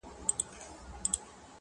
د هوی و های د محفلونو د شرنګاه لوري.